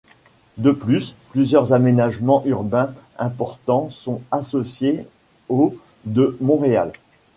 De plus, plusieurs aménagements urbains importants sont associés au de Montréal.